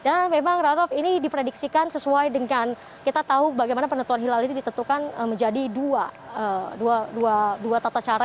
memang ratu ini diprediksikan sesuai dengan kita tahu bagaimana penentuan hilal ini ditentukan menjadi dua tata cara